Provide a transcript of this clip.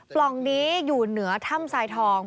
ปล่องนี้อยู่เหนือถ้ำทรายทอง